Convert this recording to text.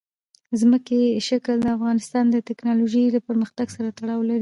ځمکنی شکل د افغانستان د تکنالوژۍ له پرمختګ سره تړاو لري.